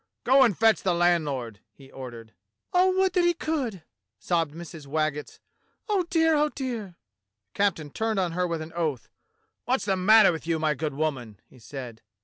"Go and fetch the landlord!" he ordered. "Oh, would that he could," sobbed Mrs. Waggetts. "Oh, dear, oh, dear!" The captain turned on her with an oath. "What's the matter with you, my good woman?" he said.